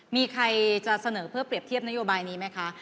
มีใครจะเสนอเพื่อเปรียบเทียบนโยบายนี้ไหมคะ